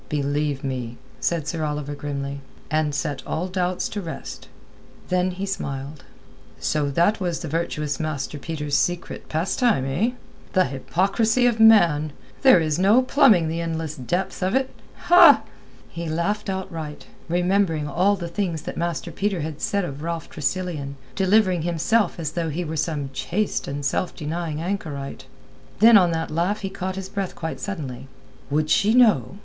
"Believe me," said Sir Oliver grimly. "And set all doubts to rest." Then he smiled. "So that was the virtuous Master Peter's secret pastime, eh? The hypocrisy of man! There is no plumbing the endless depths of it!" He laughed outright, remembering all the things that Master Peter had said of Ralph Tressilian—delivering himself as though he were some chaste and self denying anchorite. Then on that laugh he caught his breath quite suddenly. "Would she know?"